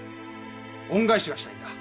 恩返しがしたいんだ。